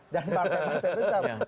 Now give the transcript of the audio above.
dan partai partai besar